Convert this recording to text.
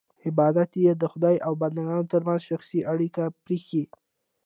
عبادت یې د خدای او بندګانو ترمنځ شخصي اړیکه پرېښی.